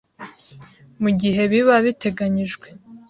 Mu gihe biba biteganyijwe